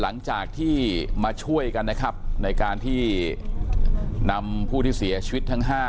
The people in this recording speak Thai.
หลังจากที่มาช่วยกันนะครับในการที่นำผู้ที่เสียชีวิตทั้ง๕